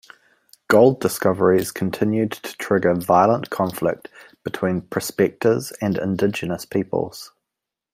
Gold discoveries continued to trigger violent conflict between prospectores and indigenous peoples.